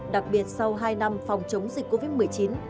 đặc biệt sau hai năm phòng chống dịch covid một mươi chín